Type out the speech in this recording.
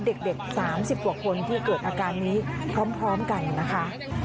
เด็ก๓๐กว่าคนที่เกิดอาการนี้พร้อมกันนะคะ